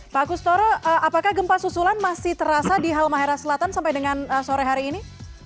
pak kustoro apakah gempa susulan masih terasa di halmahera selatan sampai dengan sore hari ini